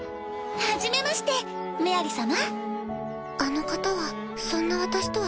はじめましてメアリ様。